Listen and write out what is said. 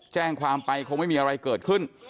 แจ้งความไปคงไม่มีอะไรเกิดขึ้น